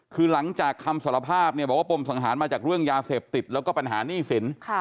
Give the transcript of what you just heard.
คือหลังจากคำสารภาพเนี่ยบอกว่าปมสังหารมาจากเรื่องยาเสพติดแล้วก็ปัญหาหนี้สิน